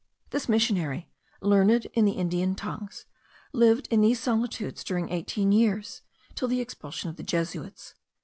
This missionary, learned in the Indian tongues, lived in these solitudes during eighteen years, till the expulsion of the Jesuits.